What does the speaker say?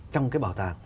trong cái bảo tàng